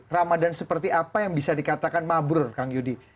ramadan seperti apa yang bisa dikatakan mabrur kang yudi